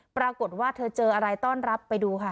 ปรากฏว่าเธอเจออะไรต้อนรับไปดูค่ะ